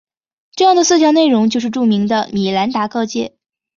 这样的四条内容就是著名的米兰达告诫。